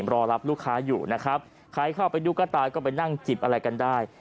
รอรับลูกค้าอยู่นะครับใครเข้าไปดูก็ตายก็ไปนั่งจิบอะไรกันได้